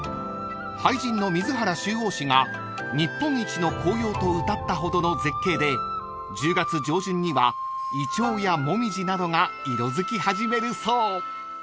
［俳人の水原秋櫻子が日本一の紅葉とうたったほどの絶景で１０月上旬にはイチョウやモミジなどが色づき始めるそう］